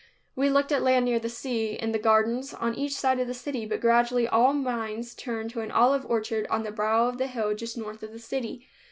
We looked at land near the sea, in the gardens, on each side of the city, but gradually all minds turned to an olive orchard on the brow of the hill just north of the city.